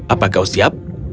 apa kau siap